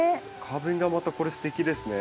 花弁がまたこれすてきですね。